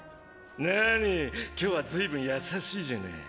なーに今日はずいぶん優しいじゃない？